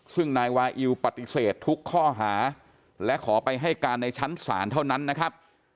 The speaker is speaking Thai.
ซึ่งนายวาอิวปฏิเสธทุกข้อหาและขอไปให้การในชั้นศาลเท่านั้นนะครับ